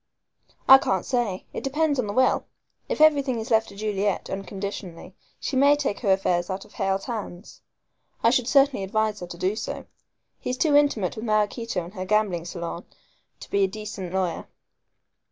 "I can't say. It depends upon the will. If everything is left to Juliet, unconditionally, she may take her affairs out of Hale's hands. I should certainly advise her to do so. He's too intimate with Maraquito and her gambling salon to be a decent lawyer."